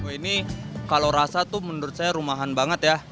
ini kalau rasa tuh menurut saya rumahan banget ya